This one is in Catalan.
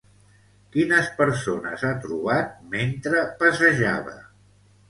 Quines persones ha trobat mentre passejava?